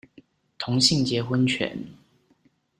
同性結婚權